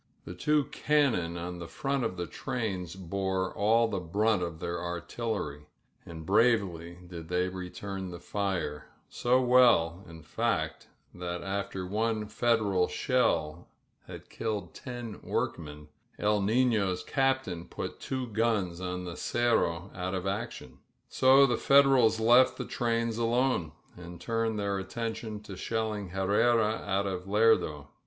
The two cannon on the front of the trains bore all the brunt of their artillery, and bravely did they return the fire — so well, in fact, that after one Federal shell had killed ten workmen, E1 Nifio's" cap tain put two guns on the Cerro out of action. So the S53 rXSUKGEXT 3IEXICO i f/ Federals left the trmins alone and tamed their atl tion to shelling Herrera out of Lerdo.